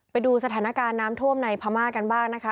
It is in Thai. ไปดูสถานการณ์น้ำท่วมในพม่ากันบ้างนะคะ